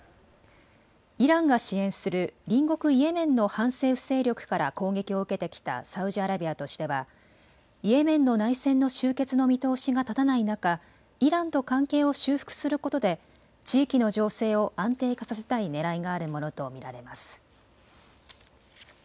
イランが支援する隣国イエメンの反政府勢力から攻撃を受けてきたサウジアラビアとしてはイエメンの内戦の終結の見通しが立たない中、イランと関係を修復することで地域の情勢を安定化させたいねらいがあるものと見られます。